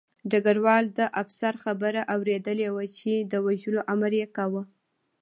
ډګروال د افسر خبره اورېدلې وه چې د وژلو امر یې کاوه